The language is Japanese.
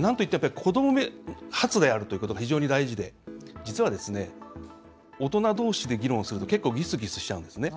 なんといっても、やっぱり子ども発であるということが非常に大事で実は、大人どうしで議論すると結構、ギスギスしちゃうんですね。